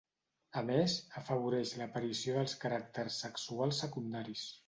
A més, afavoreix l'aparició dels caràcters sexuals secundaris.